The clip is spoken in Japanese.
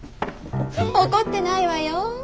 怒ってないわよ。